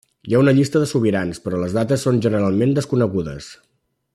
Hi ha una llista de sobirans però les dates són generalment desconegudes.